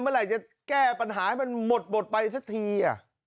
เมื่อไหร่จะแก้ปัญหาให้มันหมดไปสักที